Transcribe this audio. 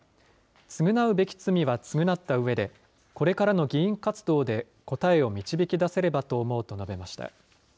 償うべき罪は償ったうえで、これからの議員活動で答えを導きだせればと思うと述べました。